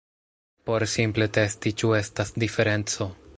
Por simple testi ĉu estas diferenco